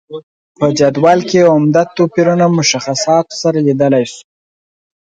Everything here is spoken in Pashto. په جدول کې عمده توپیرونه مشخصاتو سره لیدلای شو.